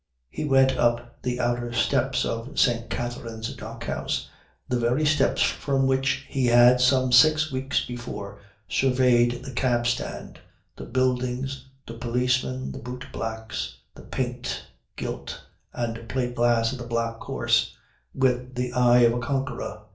He went up the outer steps of St. Katherine's Dock House, the very steps from which he had some six weeks before surveyed the cabstand, the buildings, the policemen, the boot blacks, the paint, gilt, and plateglass of the Black Horse, with the eye of a Conqueror.